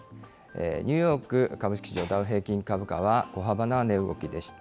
ニューヨーク株式市場、ダウ平均株価は小幅な値動きでした。